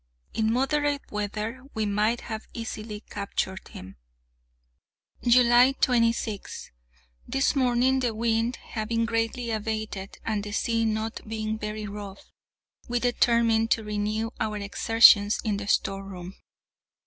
In moderate weather we might have easily captured him. July 26. This morning, the wind having greatly abated, and the sea not being very rough, we determined to renew our exertions in the storeroom.